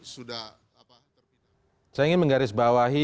saya ingin menggarisbawahi